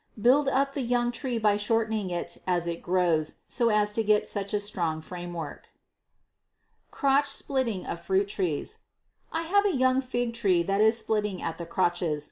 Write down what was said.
Build up the young tree by shortening in as it grows, so as to get such a strong framework. Crotch Splitting of Fruit Trees. I have a young fig tree that is splitting at the crotches.